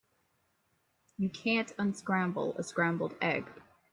You can't unscramble a scrambled egg.